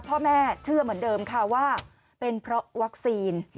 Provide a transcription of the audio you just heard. พ่อแม่เชื่อเหมือนเดิมค่ะว่าเป็นเพราะวัคซีน